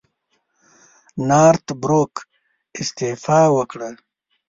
نارت بروک استعفی وکړه.